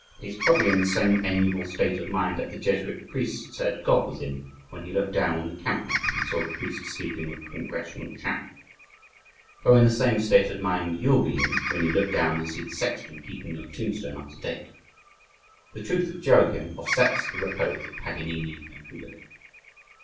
He is probably in the same amiable state of mind that the Jesuit priest said, "God was in," when He looked down on the camp ground and saw the priest sleeping with a Congregational Chaplain. Or in the same state of mind you'll be in when you look down and see the sexton keeping your tombstone up to date. The truth of Joachim offsets the repose of Paganini and Kubelik.